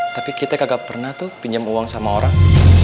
tapi kita kagak pernah tuh pinjam uang sama orang